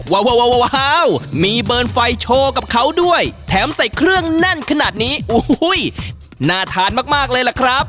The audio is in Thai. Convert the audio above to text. ว้าวมีเบิร์นไฟโชว์กับเขาด้วยแถมใส่เครื่องแน่นขนาดนี้โอ้โหน่าทานมากเลยล่ะครับ